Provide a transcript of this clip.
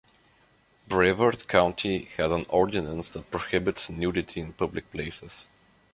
Brevard County has an ordinance that prohibits nudity in public places.